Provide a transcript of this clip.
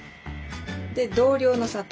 で同量の砂糖。